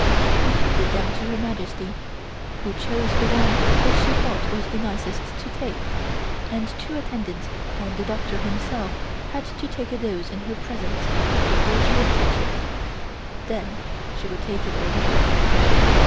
We handed them to Her Majesty, who chose the one which she thought was the nicest to take, and two attendants and the doctor himself had to take a dose in her presence before she would touch it. Then she would take it all right.